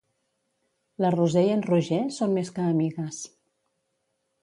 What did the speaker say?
La Roser i en Roger són més que amigues.